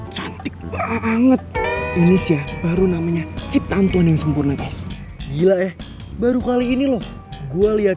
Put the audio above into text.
cantik banget ini sih baru namanya ciptaan tuhan yang sempurna terus gila ya baru kali ini loh gua lihat